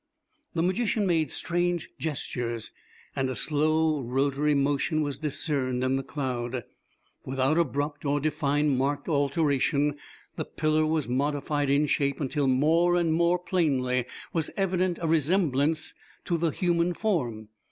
The magician made strange gestures, and a slow rotary motion was discerned in the cloud. Without abrupt or definitely marked alteration the pillar was modified in shape until more and more plainly was evident a resemblance to the human form.